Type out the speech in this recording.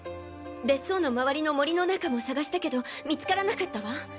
別荘の周りの森の中も捜したけど見つからなかったわ。